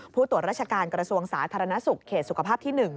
ผู้ตรวจราชการกระทรวงสาธารณสุขเขตสุขภาพที่๑